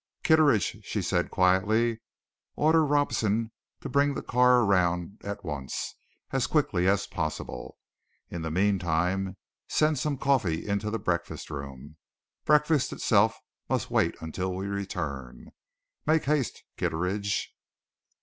"Kitteridge," she said quietly, "order Robson to bring the car round at once as quickly as possible. In the meantime, send some coffee into the breakfast room breakfast itself must wait until we return. Make haste, Kitteridge."